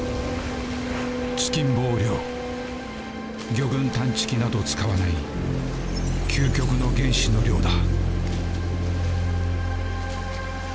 魚群探知機など使わない究極の原始の漁だ。